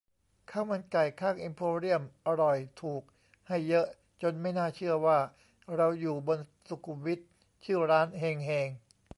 ข้าวมันไก่ข้างเอ็มโพเรียม อร่อย ถูก ให้เยอะ จนไม่น่าเชื่อว่าเราอยู่บนสุขุมวิท ชื่อร้าน 'เฮง เฮง'